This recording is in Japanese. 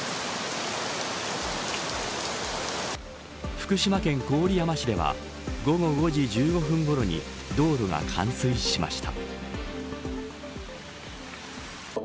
福島県郡山市では午後５時１５分ごろに道路が冠水しました。